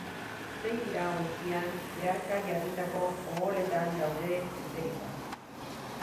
Sei dira eta ontzian zeharka jarritako oholetan daude eserita.